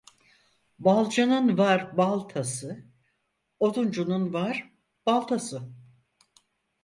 Balcının var bal tası, oduncunun var baltası.